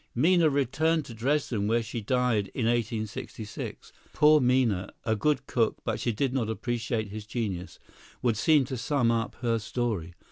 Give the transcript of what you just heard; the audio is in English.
Minna returned to Dresden, where she died in 1866. Poor Minna! A good cook, but she did not appreciate his genius, would seem to sum up her story.